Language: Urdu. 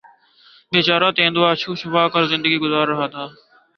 بیچارہ تیندوا چھپ چھپا کر زندگی گزار رہا تھا